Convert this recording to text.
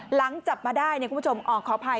หลังจับมาได้คุณผู้ชมขออภัย